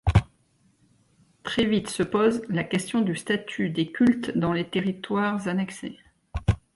Très vite se pose la question du statut des cultes dans les territoires annexés.